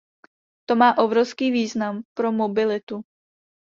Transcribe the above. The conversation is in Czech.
To má obrovský význam pro mobilitu.